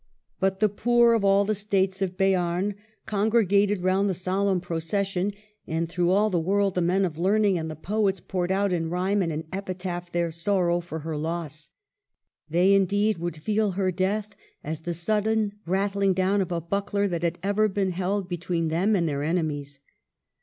But the poor of all the States of Beam congre gated round the solemn procession, and through all the world the men of learning and the poets poured out in rhyme and epitaph their sorrow for her loss. They, indeed, would feel her death as the sudden rattling down of a buckler that had ever been held between them and their enemies.